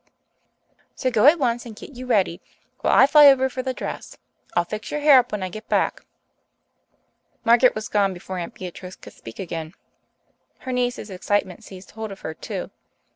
So go at once and get you ready, while I fly over for the dress. I'll fix your hair up when I get back." Margaret was gone before Aunt Beatrice could speak again. Her niece's excitement seized hold of her too.